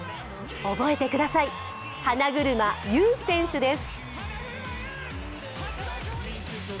覚えてください、花車優選手です。